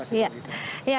terima kasih pak iwan